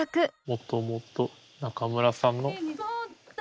もともと中村さんの。